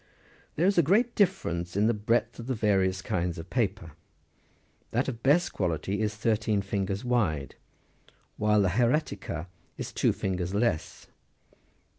There is a great difference in the breadth of the various kinds of paper. That of best quality 23 is thirteen fingers wide, while the hieratica is two fingers less.